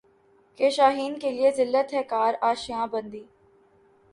کہ شاہیں کیلئے ذلت ہے کار آشیاں بندی